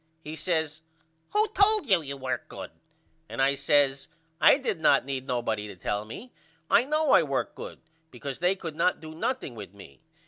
He says Who told you you worked good and I says I did not need nobody to tell me. I know I worked good because they could not do nothing with me.